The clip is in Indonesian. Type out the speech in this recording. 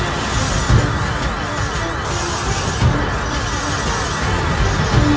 kalian dulu katherine